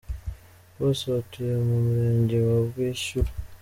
Bose batuye mu murenge wa Bwishyura.